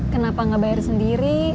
kenapa gak bayar sendiri